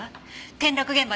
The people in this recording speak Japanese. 転落現場